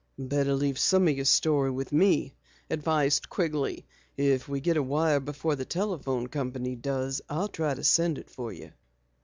"Better leave some of your story with me," advised Quigley. "If we get a wire before the telephone company does, I'll try to send it for you."